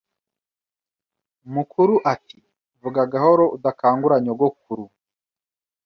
Mukuru ati vuga gahoro udakangura nyogokuru